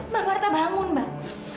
mbak marta bangun mbak